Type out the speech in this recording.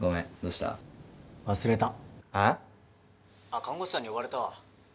あっ看護師さんに呼ばれたわ。